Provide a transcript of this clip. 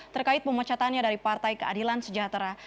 terkait pemecatannya dari partai keadilan sejahtera